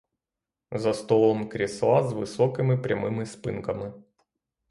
За столом крісла з високими прямими спинками.